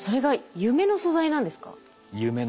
夢の素材なんです。